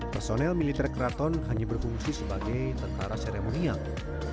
personel militer keraton hanya berfungsi sebagai tentara seremonial